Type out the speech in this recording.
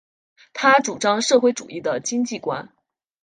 他主张社会主义的经济观。